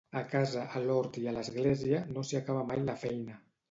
A casa, a l'hort i a l'església, no s'hi acaba mai la feina.